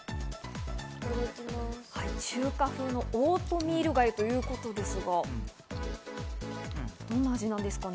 中華風のオートミール粥ということですが、どんな味なんですかね？